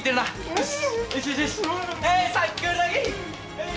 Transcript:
よし！